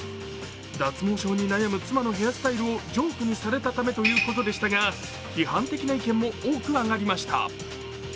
脱毛症に悩む妻のヘアスタイルをジョークにされたためということでしたが、批判的な意見も多く挙がりました。